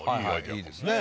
いいですね。